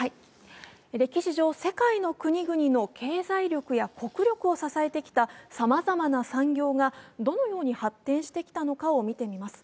歴史上、世界の国々の経済力や国力を支えてきたさまざまな産業がどのように発展してきたのかを見てみます。